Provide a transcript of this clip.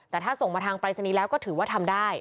แต่ถ้าส่งมาทางปรายศนีย์แล้วก็ถือว่าทำได้